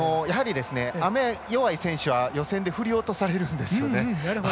雨、弱い選手は予選で振り落とされるんですよね。